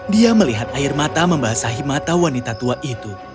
dia melihat air mata membasahi mata wanita tua itu